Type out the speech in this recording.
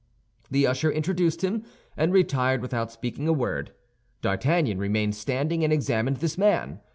The usher introduced him, and retired without speaking a word. D'Artagnan remained standing and examined this man.